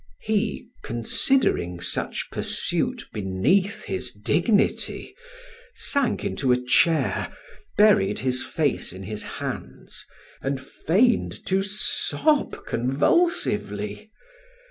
He, considering such pursuit beneath his dignity, sank into a chair, buried his face in his hands, and feigned to sob convulsively.